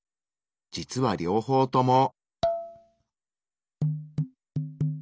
実は両方とも。